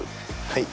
はい。